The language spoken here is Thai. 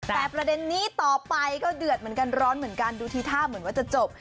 แต่ประเด็นนี้ต่อไปก็เดือดเหมือนกันร้อนเหมือนกันดูทีท่าเหมือนว่าจะจบ